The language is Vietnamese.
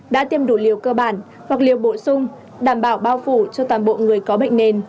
đã tiêm đủ liều cơ bản hoặc liều bổ sung đảm bảo bao phủ cho toàn bộ người có bệnh nền